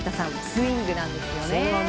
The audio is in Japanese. スイングなんですよね。